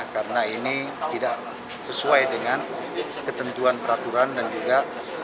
karena ini tidak sesuai dengan ketentuan peraturan dan juga